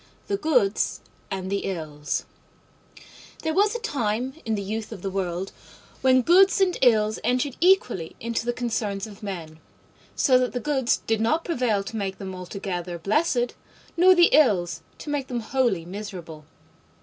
THE GOODS AND THE ILLS There was a time in the youth of the world when Goods and Ills entered equally into the concerns of men, so that the Goods did not prevail to make them altogether blessed, nor the Ills to make them wholly miserable.